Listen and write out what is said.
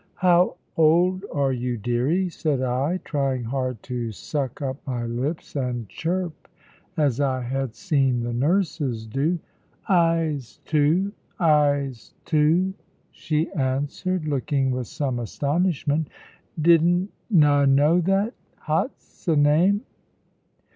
"How old are you, deary?" said I, trying hard to suck up my lips and chirp, as I had seen the nurses do. "I'se two, I'se two," she answered, looking with some astonishment; "didn't 'a know that? Hot's 'a name?"